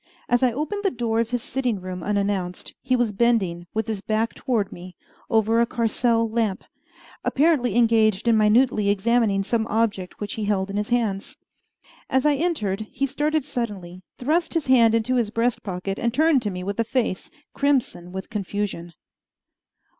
As I opened the door of his sitting room unannounced, he was bending, with his back toward me, over a Carcel lamp, apparently engaged in minutely examining some object which he held in his hands. As I entered, he started suddenly, thrust his hand into his breast pocket, and turned to me with a face crimson with confusion.